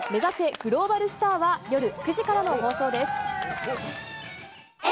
グローバルスターは夜９時からの放送です。